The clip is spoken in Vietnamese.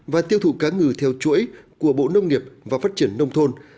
và tiêu thụ cá ngừ theo chuỗi của bộ nông nghiệp và phát triển nông thôn